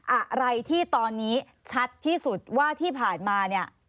อะไรที่ตอนนี้ชัดที่สุดว่าที่ผ่านมาเนี่ย